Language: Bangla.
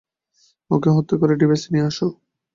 ওকে হত্যা করে ডিভাইসটি নিয়ে আস।